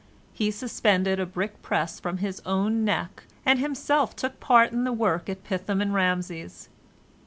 He suspended a brick press from his own neck, and himself took part in the work at Pithom and Raamses.